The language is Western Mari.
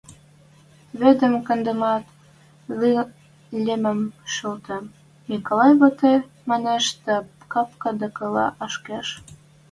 Вӹдӹм кандемӓт, лемӹм шолтем, – Миколай вӓтӹ манеш дӓ капка докыла ашкедеш.